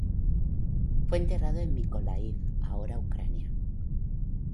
Fue enterrado en Mykolaiv, ahora Ucrania.